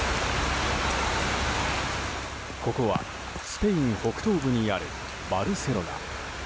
ここはスペイン北東部にあるバルセロナ。